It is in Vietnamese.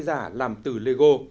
giả làm từ lego